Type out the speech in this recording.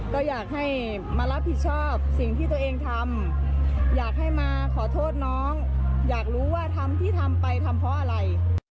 ก็อยากให้มารับผิดชอบสิ่งที่ตัวเองทำอยากให้มาขอโทษน้องอยากรู้ว่าทำที่ทำไปทำเพราะอะไร